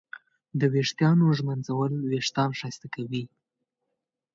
د ویښتانو ږمنځول وېښتان ښایسته کوي.